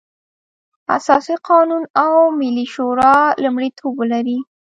اساسي قانون او ملي شورا لومړيتوب ولري.